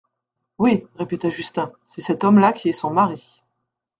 Oui, répéta Justin, c'est cet homme-là qui est son mari.